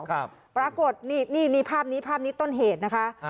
ครับปรากฏนี่นี่นี่ภาพนี้ภาพนี้ต้นเหตุนะคะอ่า